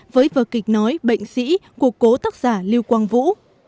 với vợ kịch nói bệnh sĩ của cố tác giả lưu quang vũ